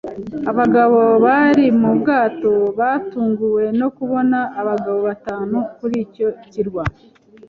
Abagabo bari mu bwato batunguwe no kubona abagabo batanu kuri icyo kirwa.